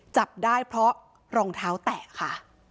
จับได้เพราะรองเท้าแตกค่ะ